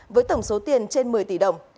với tổng số tiền trên một mươi tỷ đồng